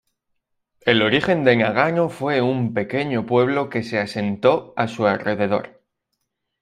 El origen de Nagano fue un pequeño pueblo que se asentó a su alrededor.